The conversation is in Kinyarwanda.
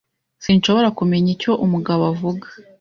Sinshobora kumenya icyo umugabo avuga.